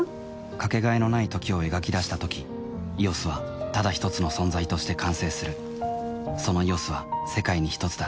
かけがえのない「時」を描き出したとき「ＥＯＳ」はただひとつの存在として完成するその「ＥＯＳ」は世界にひとつだ